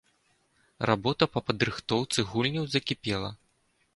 Работа па падрыхтоўцы гульняў закіпела.